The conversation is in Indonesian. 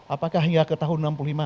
apakah hingga ke tahun enam puluh lima